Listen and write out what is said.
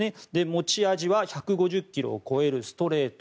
持ち味は１５０キロを超えるストレート。